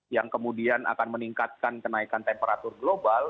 yang kemudian akan meningkatkan kenaikan temperatur global